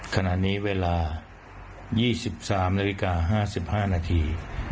ขณะนี้เวลา๒๓นาฬิกา๕๕นาที